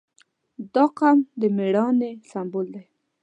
• دا قوم د مېړانې سمبول دی.